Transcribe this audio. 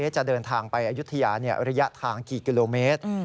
จะเดินทางไปอายุทยาระยะทางกี่กิโลเมตร